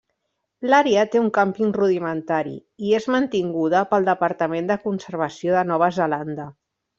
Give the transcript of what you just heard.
L'àrea té un càmping rudimentari i és mantinguda pel Departament de Conservació de Nova Zelanda.